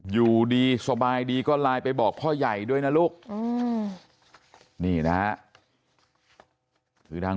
อยู่ดีสบายดีก็ไลน์ไปบอกพ่อใหญ่ด้วยนะลูกนี่นะฮะคือดัง